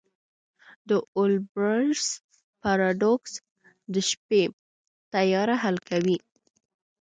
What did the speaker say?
د اولبرس پاراډوکس د شپې تیاره حل کوي.